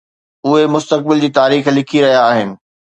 اهي مستقبل جي تاريخ لکي رهيا آهن.